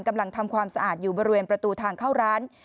ทำความสะอาดอยู่บริเวณประตูทางเข้าร้าน